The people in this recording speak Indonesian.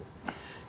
yang kedua adalah